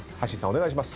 お願いします。